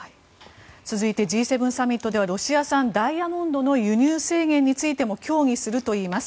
続いてＧ７広島サミットではロシア産ダイヤモンドの輸入制限についても協議するといいます。